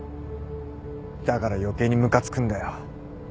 だから余計にムカつくんだよ。